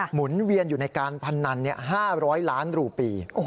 หุ่นเวียนอยู่ในการพนัน๕๐๐ล้านรูปี